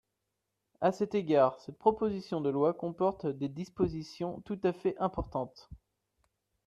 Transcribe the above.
À cet égard, cette proposition de loi comporte des dispositions tout à fait importantes.